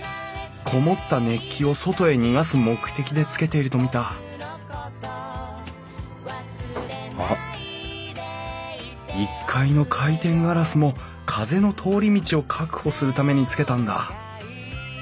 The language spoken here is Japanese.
籠もった熱気を外へ逃がす目的でつけているとみたあっ１階の回転ガラスも風の通り道を確保するためにつけたんだ。